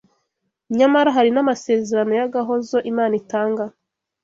Nyamara hari n’amasezerano y’agahozo Imana itanga